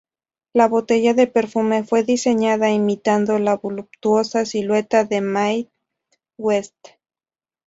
La botella de perfume fue diseñada imitando la voluptuosa silueta de Mae West.